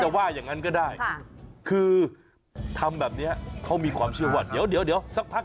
ว่าอย่างนั้นก็ได้คือทำแบบนี้เขามีความเชื่อว่าเดี๋ยวเดี๋ยวสักพัก